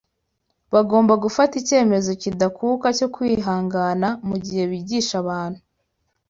Bagomba gufata icyemezo kidakuka cyo kwihangana mu gihe bigisha abantu.